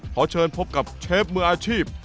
ขอเชิญพบกับเชฟมืออาชีพ